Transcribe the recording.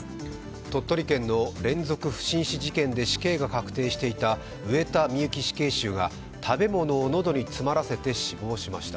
鳥取県の連続不審死事件で死刑が確定していた上田美由紀死刑囚が食べ物を喉に詰まらせて死亡しました。